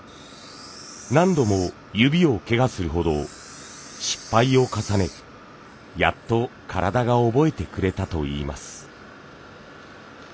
何度も指をけがするほど失敗を重ねやっと体が覚えてくれたといいます。